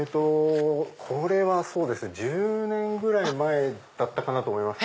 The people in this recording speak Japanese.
これはそうですね１０年ぐらい前だったと思います。